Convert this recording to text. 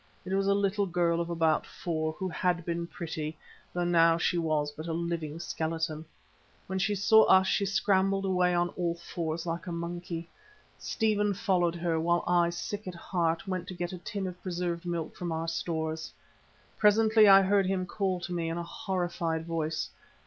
It was a little girl of about four who had been pretty, though now she was but a living skeleton. When she saw us she scrambled away on all fours like a monkey. Stephen followed her, while I, sick at heart, went to get a tin of preserved milk from our stores. Presently I heard him call to me in a horrified voice.